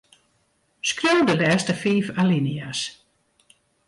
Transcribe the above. Skriuw de lêste fiif alinea's.